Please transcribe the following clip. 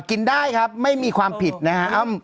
กินได้ครับไม่มีความผิดนะครับ